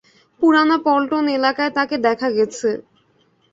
পুরানা পল্টন এলাকায় তাকে দেখা গেছে।